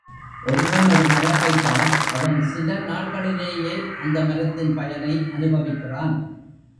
ஒருவன் ஒருமரம் வைத்தால் அவன் சில நாள்களி லேயே அந்த மரத்தின் பயனை அனுபவிக்கிறான்.